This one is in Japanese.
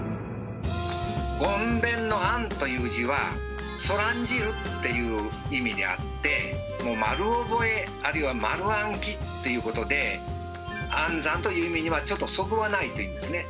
ごんべんの「諳」という字は「そらんじる」っていう意味であってもう丸覚えあるいは丸暗記ということで暗算という意味にはちょっとそぐわないというんですね。